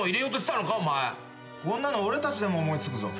こんなの俺たちでも思い付くぞ。